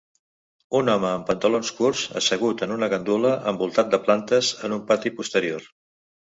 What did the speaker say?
Un home amb pantalons curts assegut en una gandula envoltat de plantes en un pati posterior.